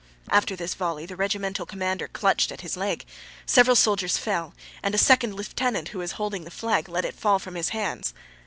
After this volley the regimental commander clutched at his leg; several soldiers fell, and a second lieutenant who was holding the flag let it fall from his hands.